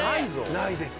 ないですね。